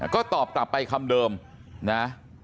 ก็ตอบกลับไปคำเดิมนะ